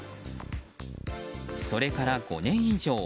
それから５年以上。